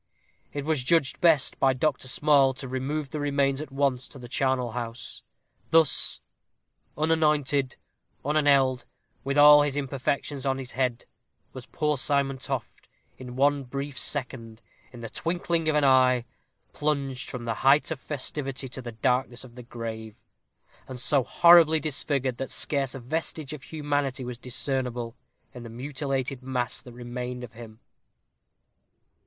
It was judged best by Dr. Small to remove the remains at once to the charnel house. Thus "unanointed, unaneled, with all his imperfections on his head," was poor Simon Toft, in one brief second, in the twinkling of an eye, plunged from the height of festivity to the darkness of the grave, and so horribly disfigured, that scarce a vestige of humanity was discernible in the mutilated mass that remained of him.